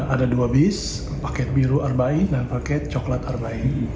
ada dua bis paket biru arba in dan paket coklat arba in